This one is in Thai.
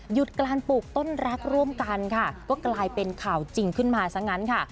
การปลูกต้นรักร่วมกันค่ะก็กลายเป็นข่าวจริงขึ้นมาซะงั้นค่ะ